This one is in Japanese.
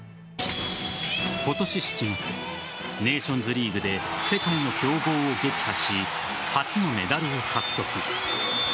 今年７月、ネーションズリーグで世界の強豪を撃破し初のメダルを獲得。